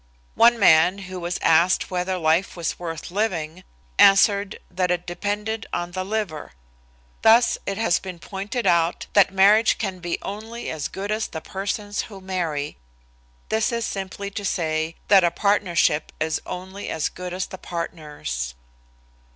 One man who was asked whether life was worth living, answered that it depended on the liver. Thus, it has been pointed out that marriage can be only as good as the persons who marry. This is simply to say that a partnership is only as good as the partners.